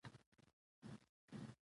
قانون د ادارې کړنې تنظیموي.